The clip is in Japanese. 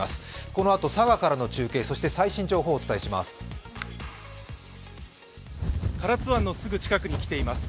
このあと、佐賀からの中継、そして最新情報をお伝えします。